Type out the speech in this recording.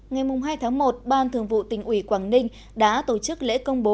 ngày hai tháng một ban thường vụ tỉnh ủy quảng ninh đã tổ chức lễ công bố